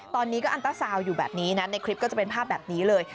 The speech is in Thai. ตอนนี้ก็อันต้าซาวน์อยู่แบบนี้นะในคลิปก็จะเป็นภาพแบบนี้เลย